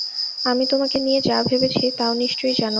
আমি তোমাকে নিয়ে যা ভেবেছি, তাও নিশ্চয়ই জান?